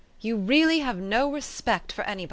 You really have no respect for anybody.